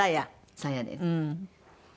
さやです。